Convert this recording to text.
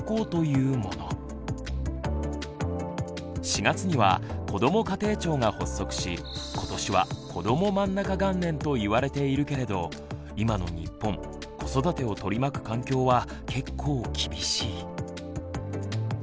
今回のテーマはズバリこれは４月には「こども家庭庁」が発足し今年は「こどもまんなか元年」といわれているけれど今の日本子育てを取り巻く環境は結構厳しい。